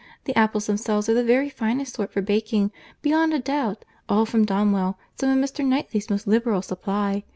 The apples themselves are the very finest sort for baking, beyond a doubt; all from Donwell—some of Mr. Knightley's most liberal supply.